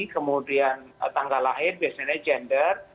kemudian tanggal lahir biasanya gender